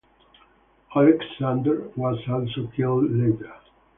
Oleksandr was also killed later.